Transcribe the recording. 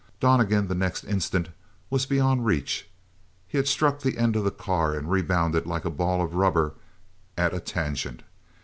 Donnegan, the next instant, was beyond reach. He had struck the end of the car and rebounded like a ball of rubber at a tangent.